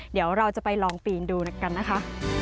เดี๋ยวเราจะไปลองปีนดูกันนะคะ